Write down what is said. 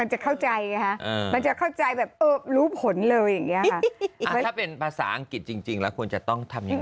แล้วควรจะต้องทำอย่างไร